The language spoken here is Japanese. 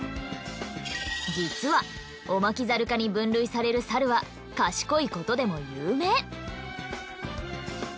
実はオマキザル科に分類されるサルは賢いことでも有名。